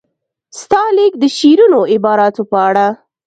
ستا لیک د شیرینو عباراتو په اړه.